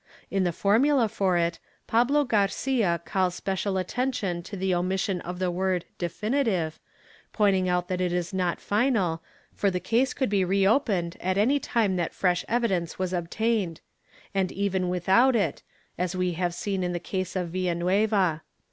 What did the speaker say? In the formula for it, Pablo Garcia calls special attention to the omission of the word "definitive," pointing out that it is not final, for the case could be reopened at any time that fresh evidence was obtained — and even without it, as we have seen in the case of Villa nueva.